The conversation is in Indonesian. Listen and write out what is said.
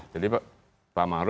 jadi pak ma'ruf sejak awal